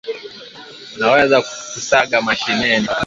unaweza kuSaga mashineni